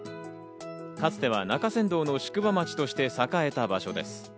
かつては中山道の宿場町として栄えた場所です。